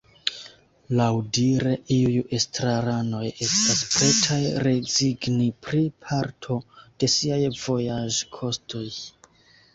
Laŭdire iuj estraranoj estas pretaj rezigni pri parto de siaj vojaĝkostoj.